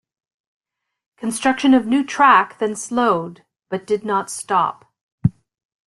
Construction of new track then slowed, but did not stop.